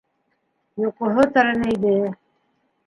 Йоҡоһо тәрәнәйҙе.